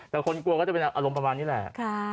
แต่คนกลัวก็จะเป็นอารมณ์ประมาณนี้แหละ